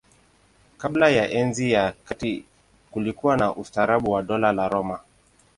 Kabla ya Enzi ya Kati kulikuwa na ustaarabu wa Dola la Roma.